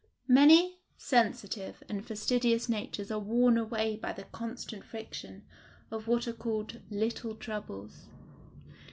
Many sensitive and fastidious natures are worn away by the constant friction of what are called little troubles.